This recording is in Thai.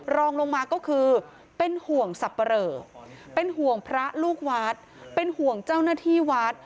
รองลงมาก็คือเป็นห่วงสับปะเรอเป็นห่วงพระลูกวัดเป็นห่วงเจ้าหน้าที่วัด